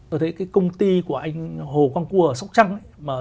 tôi thấy cái công ty của anh hồ quang cua ở sóc trăng ấy